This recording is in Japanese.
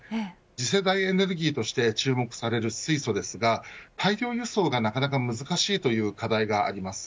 次世代エネルギーとして注目される水素ですが大量輸送が難しいという課題があります。